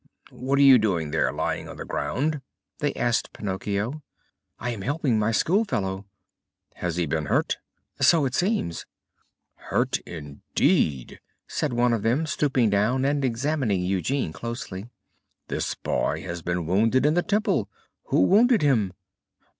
"What are you doing there, lying on the ground?" they asked Pinocchio. "I am helping my school fellow." "Has he been hurt?" "So it seems." "Hurt indeed!" said one of them, stooping down and examining Eugene closely. "This boy has been wounded in the temple. Who wounded him?"